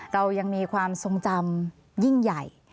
เรายังมีความทรงจำยิ่งใหญ่